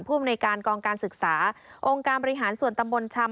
ภูมิในการกองการศึกษาองค์การบริหารส่วนตำบลชำ